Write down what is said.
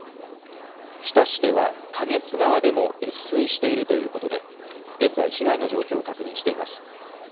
日田市では花月川でも越水しているということで現在、被害の状況を確認しています。